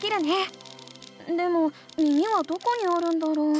でも耳はどこにあるんだろう？